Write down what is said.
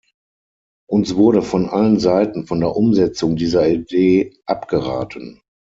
Uns wurde von allen Seiten von der Umsetzung dieser Idee abgeraten.